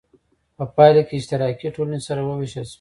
په پایله کې اشتراکي ټولنې سره وویشل شوې.